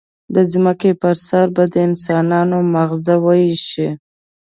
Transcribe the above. د ځمکې پر سر به د انسانانو ماغزه وایشي.